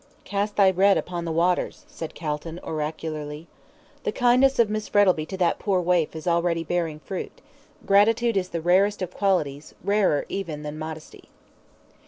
"Cast thy bread upon the waters," said Calton, oracularly. "The kindness of Miss Frettlby to that poor waif is already bearing fruit gratitude is the rarest of qualities, rarer even than modesty."